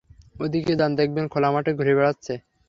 ওদিকে যান, দেখবেন খোলা মাঠে ঘুরে বেড়াচ্ছে।